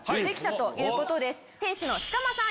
店主の志釜さん